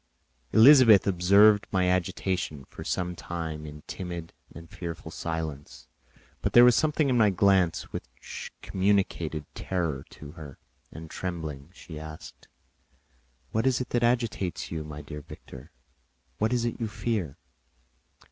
Elizabeth observed my agitation for some time in timid and fearful silence, but there was something in my glance which communicated terror to her, and trembling, she asked, "What is it that agitates you, my dear Victor? What is it you fear?"